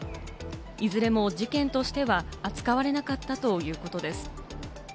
いずれも事件としては扱われなかったということです。